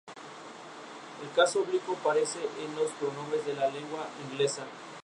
Cuenta con la colaboración del vocalista Chris James.